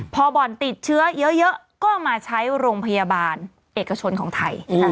พอบ่อนติดเชื้อเยอะก็มาใช้โรงพยาบาลเอกชนของไทย